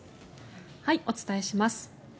お伝えします。